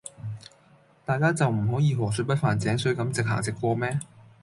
大家就唔可以河水不犯井水咁直行直過咩?